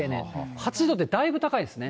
８度って、だいぶ高いんですね。